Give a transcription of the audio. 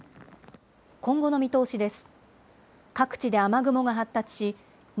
今後の見通しです。